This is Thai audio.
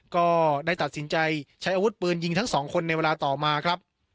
ก็ได้ตัดสินใจใช้อาวุธปืนยิงทั้งสองคนในเวลาต่อมาครับ